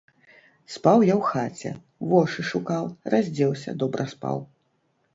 Спаў я ў хаце, вошы шукаў, раздзеўся, добра спаў.